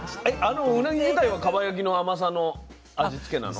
あのうなぎ自体はかば焼きの甘さの味付けなの？